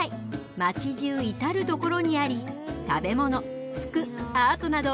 街じゅう至る所にあり食べ物服アートなど